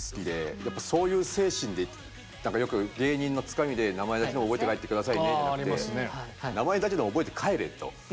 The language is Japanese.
やっぱそういう精神でよく芸人のつかみで名前だけは覚えて帰って下さいねじゃなくて名前だけでも覚えて帰れと。